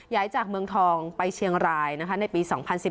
จากเมืองทองไปเชียงรายในปี๒๐๑๘